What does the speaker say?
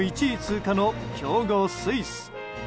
１位通過の強豪スイス。